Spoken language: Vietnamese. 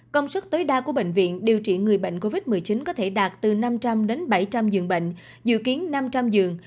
công suất tối đa của bệnh viện điều trị người bệnh covid một mươi chín có thể đạt từ năm trăm linh đến bảy trăm linh giường bệnh dự kiến năm trăm linh giường